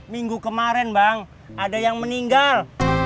minggu kemarin bang ada yang meninggal